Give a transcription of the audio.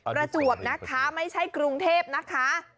ประจวบนะคะไม่ใช่กรุงเทพนะคะ